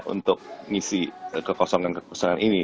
untuk ngisi kekosongan kekosongan ini